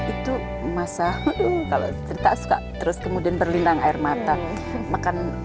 itu masa kalau cerita suka terus kemudian berlindang air mata makan